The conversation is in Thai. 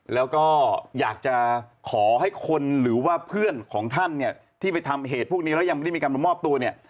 แล้วก็อยากจะขอให้คนหรือว่าเพื่อนของท่านเนี่ยที่ไปทำเหตุพวกนี้แล้วยังไม่ได้มีการมามอบตัวเนี่ย